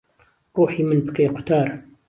ڕووحی من پکەی قوتار